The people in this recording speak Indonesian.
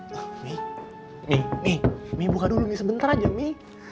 mami mami mami buka dulu sebentar aja mami